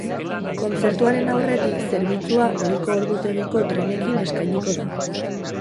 Kontzertuaren aurretik zerbitzua ohiko ordutegiko trenekin eskainiko da.